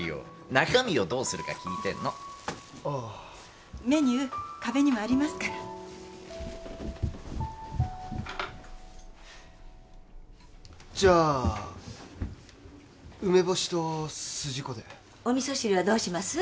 中身をどうするか聞いてんのああメニュー壁にもありますからじゃあ梅干しと筋子でお味噌汁はどうします？